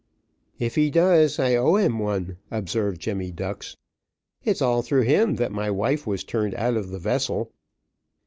"If he does I owe him one," observed Jemmy Ducks. "It's all through him that my wife was turned out of the vessel."